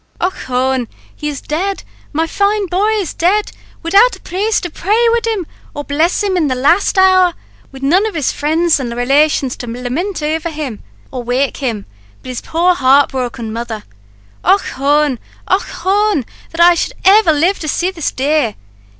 "Och hone! he is dead my fine bhoy is dead widout a praste to pray wid him, or bless him in the last hour wid none of his frinds and relations to lamint iver him, or wake him, but his poor heartbroken mother Och hone! och hone! that I should ever live to see this day.